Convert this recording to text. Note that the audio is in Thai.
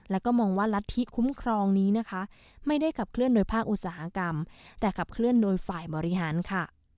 แล้วก็มองว่ารัฐธิคุ้มครองนี้นะคะไม่ได้ขับเคลื่อนโดยภาคอุตสาหกรรมแต่ขับเคลื่อนโดยฝ่ายบริหารค่ะ